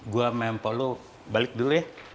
gua sama empok lo balik dulu ya